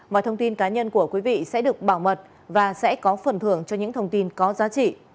mọi thông tin cá nhân của quý vị sẽ được bảo mật và sẽ có phần thưởng cho những thông tin có giá trị